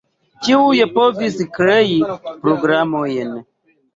Ĉiuj povis krei programojn.